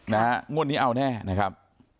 งวดนี้เอาแน่นะครับ